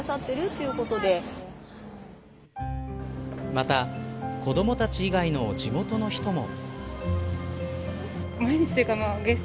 また子どもたち以外の地元の人も。